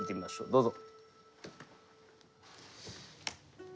どうぞ。